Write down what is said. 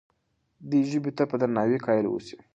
دې ژبې ته په درناوي قایل اوسئ.